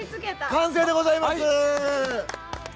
完成でございます！